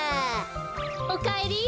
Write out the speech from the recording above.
おかえり。